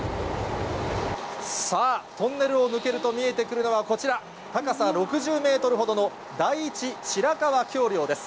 さあ、トンネルを抜けると見えてくるのはこちら、高さ６０メートルほどの第一白川橋梁です。